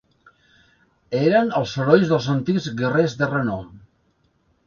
Eren els herois dels antics guerrers de renom.